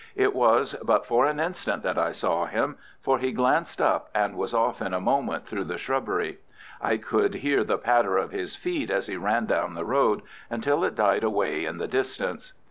It was but for an instant that I saw him, for he glanced up and was off in a moment through the shrubbery. I could hear the patter of his feet as he ran down the road, until it died away in the distance.